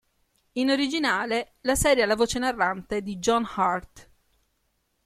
In originale la serie ha la voce narrante di John Hurt.